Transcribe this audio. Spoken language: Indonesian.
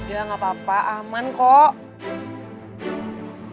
udah gapapa aman kok